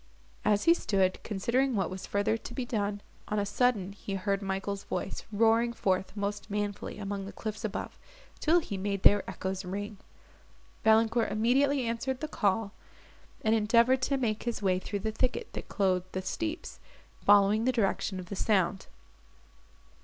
As he stood, considering what was further to be done, on a sudden he heard Michael's voice roaring forth most manfully among the cliffs above, till he made their echoes ring. Valancourt immediately answered the call, and endeavoured to make his way through the thicket that clothed the steeps, following the direction of the sound.